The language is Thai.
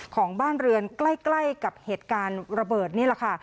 ของบ้านเรือนใกล้กับเหตุการณ์ระเบิดนี่แหละค่ะ